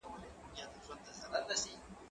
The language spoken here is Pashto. ته ولي واښه راوړې،